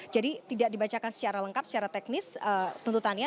jadi tidak dibacakan secara lengkap secara teknis tuntutannya